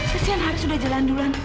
kesian harus sudah jalan duluan